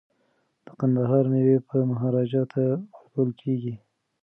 د کندهار میوې به مهاراجا ته ورکول کیږي.